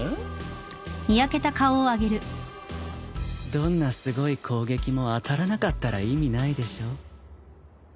どんなすごい攻撃も当たらなかったら意味ないでしょ。